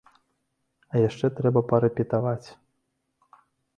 А яшчэ трэба парэпетаваць!